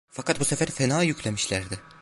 Fakat bu sefer fena yüklemişlerdi.